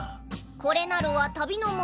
これなるは旅の者。